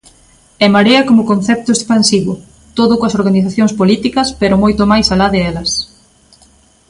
E Marea como concepto expansivo: todo coas organizacións políticas, pero moito máis alá delas.